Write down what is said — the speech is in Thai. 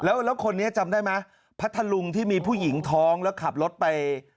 แล้วคนนี้จำได้ไหมพัทธลุงที่มีผู้หญิงท้องแล้วขับรถไป